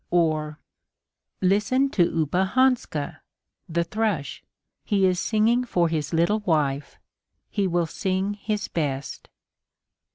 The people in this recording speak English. Or "Listen to Oopehanska (the thrush); he is singing for his little wife. He will sing his best."